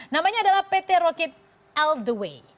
namanya adalah pt rocket al the way